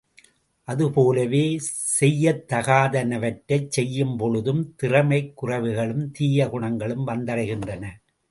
அதுபோலவே செய்யத்தகாதனவற்றைச் செய்யும் பொழுதும் திறமைக் குறைவுகளும் தீய குணங்களும் வந்தடைகின்றன.